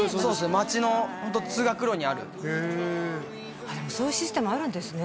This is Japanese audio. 街のホント通学路にあるそういうシステムあるんですね